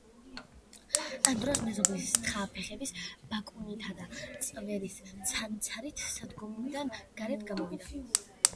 ამ დროს მეზობლის თხა ფეხების ბაკუნითა და წვერის ცანცარით სადგომიდან გარეთ გამოვიდა.